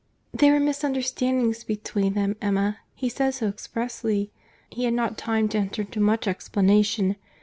"There were misunderstandings between them, Emma; he said so expressly. He had not time to enter into much explanation.